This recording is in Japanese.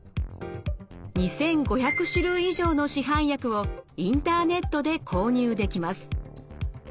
２５００種類以上の市販薬をインターネットで購入できます。